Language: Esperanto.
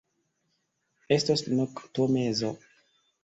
Estos noktomezo.